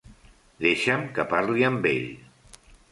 Deixa'm que parli amb ell.